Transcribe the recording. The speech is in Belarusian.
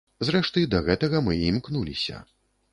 Зрэшты, да гэтага мы і імкнуліся.